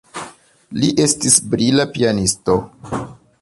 Li estis brila pianisto.